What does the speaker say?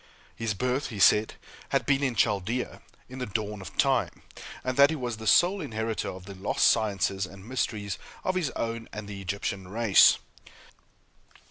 His birth, he said, had been in Chaldea, in the dawn of time; and that he was the sole inheritor of the lost sciences and mysteries of his own and the Egyptian race.